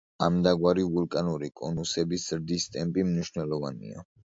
ამდაგვარი ვულკანური კონუსების ზრდის ტემპი მნიშვნელოვანია.